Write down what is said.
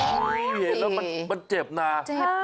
โอ้ยเห็นแล้วมันเจ็บนะเจ็บนะ